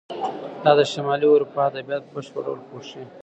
دا د شمالي اروپا ادبیات په بشپړ ډول پوښي.